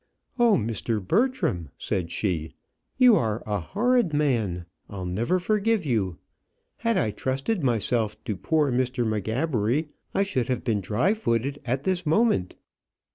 "Oh, Mr. Bertram," said she; "you are a horrid man. I'll never forgive you. Had I trusted myself to poor Mr. M'Gabbery, I should have been dry footed at this moment."